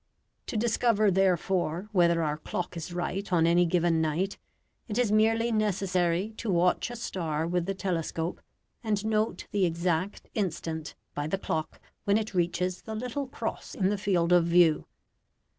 To discover, therefore, whether our clock is right on any given night, it is merely necessary to watch a star with the telescope, and note the exact instant by the clock when it reaches the little cross in the field of view.